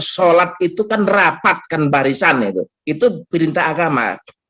sholat itu kan rapatkan barisan itu perintah agama